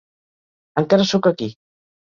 Encara soc aquí.